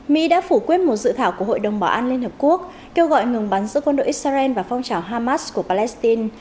mỹ đã phủ quyết một dự thảo của hội đồng bảo an liên hợp quốc kêu gọi ngừng bắn giữa quân đội israel và phong trào hamas của palestine